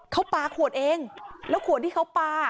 เขาปลาขวดเองแล้วขวดที่เขาปลา